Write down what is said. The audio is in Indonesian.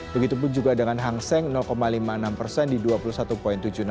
begitu pun juga dengan han seng lima puluh enam persen di rp dua puluh satu tujuh ratus enam puluh tiga